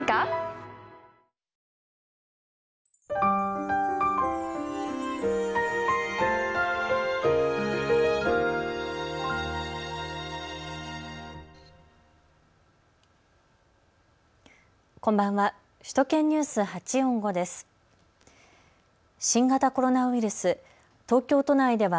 こんばんは。